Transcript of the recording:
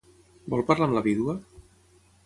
Vol parlar amb la vídua?